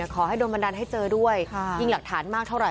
ขอให้โดนบันดาลให้เจอด้วยยิ่งหลักฐานมากเท่าไห